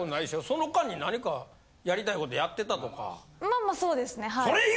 その間に何かやりたい事やってたとか。